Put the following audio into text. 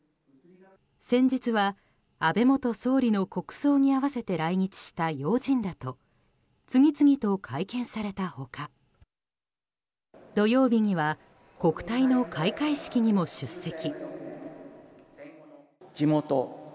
先日は安倍元総理の国葬に合わせて来日した要人らと次々と会見された他土曜日には国体の開会式にも出席。